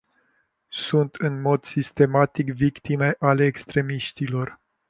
Sunt în mod sistematic victime ale extremiștilor.